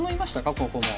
ここも。